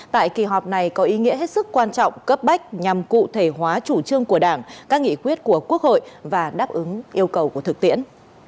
tại kỳ họp này có ý nghĩa hết sức quan trọng cấp bách nhằm cụ thể hóa chủ trương của đảng các nghị quyết của quốc hội và đáp ứng yêu cầu của thực tiễn